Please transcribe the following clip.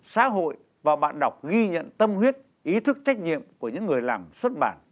xã hội và bạn đọc ghi nhận tâm huyết ý thức trách nhiệm của những người làm xuất bản